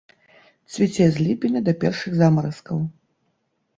Цвіце з ліпеня да першых замаразкаў.